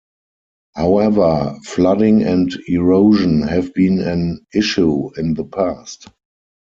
However, flooding and erosion have been an issue in the past.